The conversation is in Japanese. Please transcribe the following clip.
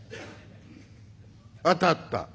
「当たった」。